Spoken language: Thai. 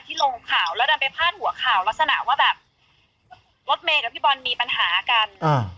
ลงข่าวแล้วดันไปพาดหัวข่าวลักษณะว่าแบบรถเมย์กับพี่บอลมีปัญหากัน